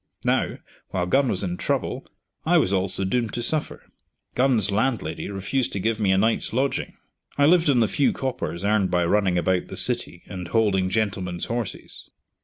Now, while Gun was in trouble I was also doomed to suffer. Gun's landlady refused to give me a night's lodging. I lived on the few coppers earned by running about the city and holding gentlemen's horses.